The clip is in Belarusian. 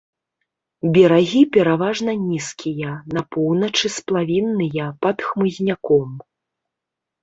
Берагі пераважна нізкія, на поўначы сплавінныя, пад хмызняком.